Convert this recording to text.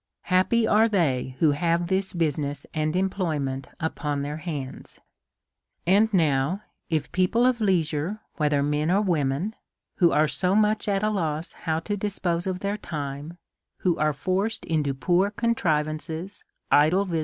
Happy are tliey who have this business and employ ment upon their hands ! And now, if people of leisure, whether men or wo men, who are so much at a loss how to dispose of their lime, who are forced into poor contrivances, idle vi DEVOUT AND HOLY LIFE.